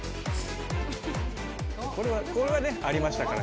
これはねありましたから。